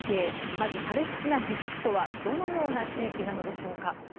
まずパレスチナ自治区とはどのような地域なのでしょうか。